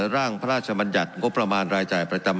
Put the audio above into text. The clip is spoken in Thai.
ปะยังสมาชิกผู้สะกิจทุกท่าน